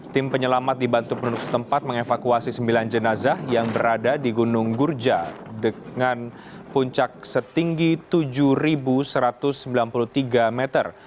tim penyelamat dibantu penduduk setempat mengevakuasi sembilan jenazah yang berada di gunung gurja dengan puncak setinggi tujuh satu ratus sembilan puluh tiga meter